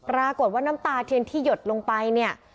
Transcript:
น้ำตาเทียนที่หยดลงไปเนี่ย